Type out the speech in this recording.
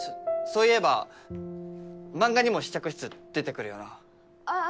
そういえば漫画にも試着室出てくるよなあっ